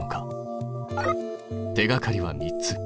手がかりは３つ。